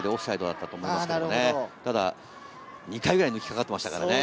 ただ２回ぐらい抜きかかってましたからね。